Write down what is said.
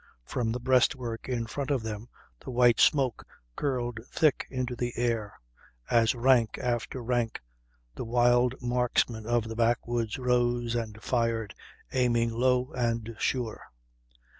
From the breastwork in front of them the white smoke curled thick into the air, as rank after rank the wild marksmen of the backwoods rose and fired, aiming low and sure.